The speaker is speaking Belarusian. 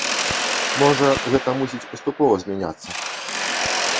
Можа, гэта мусіць паступова змяняцца.